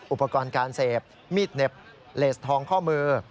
อุปกรณ์การเสพมีดเหน็บเลสทองข้อมือ